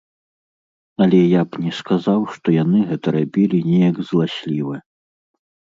Але я б не сказаў, што яны гэта рабілі неяк зласліва.